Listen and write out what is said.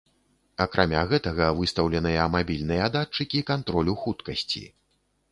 Акрамя гэтага выстаўленыя мабільныя датчыкі кантролю хуткасці.